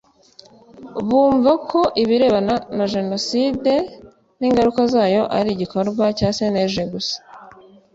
bumva ko ibirebana na jenoside n ingaruka zayo ari igikorwa cya cnlg gusa